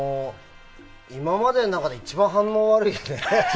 今までの中で一番反応悪いよね。